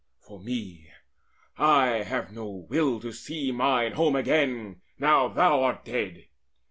For me, I have no will To see mine home again, now thou art dead.